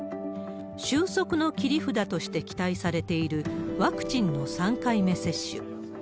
収束の切り札として期待されているワクチンの３回目接種。